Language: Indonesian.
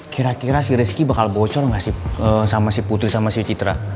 kira kira si rizky bakal bocor gak sih sama si putri sama si citra